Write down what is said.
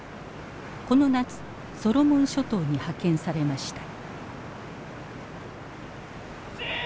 この夏ソロモン諸島に派遣されました。